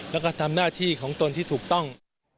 แล้วก็ทำหน้าที่ของตนที่ถูกต้อง